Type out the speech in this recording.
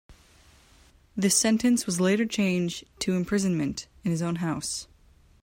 This sentence was later changed to imprisonment in his own house.